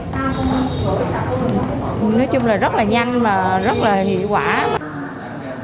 nói chung là rất là nhanh và rất là hiệu quả